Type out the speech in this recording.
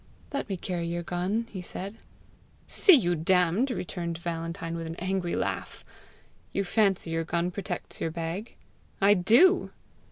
"Let me carry your gun," he said. "See you damned!" returned Valentine, with an angry laugh. "You fancy your gun protects your bag?" "I do."